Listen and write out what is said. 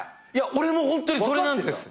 俺もホントにそれなんです。